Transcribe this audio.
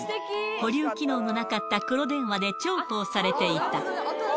保留機能のなかった黒電話で重宝されていた。